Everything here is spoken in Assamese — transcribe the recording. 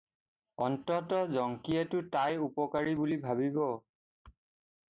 অন্ততঃ জংকিয়েতো তাই উপকাৰী বুলি ভাবিব।